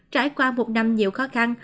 trải qua một năm nhiều khó khăn